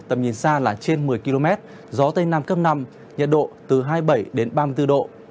tầm nhìn xa là trên một mươi km gió tây nam cấp năm nhiệt độ từ hai mươi bảy đến ba mươi bốn độ